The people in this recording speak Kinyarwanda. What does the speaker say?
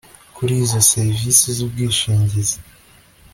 kuri izo serivisi z ubwishingizi